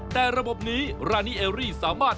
แต่ระบบนี้รานีเอรี่สามารถ